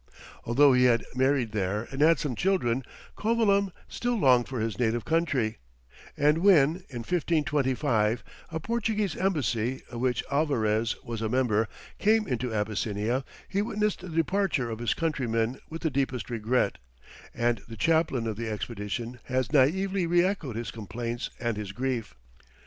Although he had married there and had some children, Covilham still longed for his native country, and when, in 1525, a Portuguese embassy, of which Alvarès was a member, came into Abyssinia, he witnessed the departure of his countrymen with the deepest regret, and the chaplain of the expedition has naïvely re echoed his complaints and his grief.